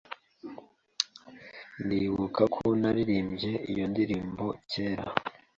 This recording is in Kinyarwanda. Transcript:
Ndibuka ko naririmbye iyo ndirimbo kera .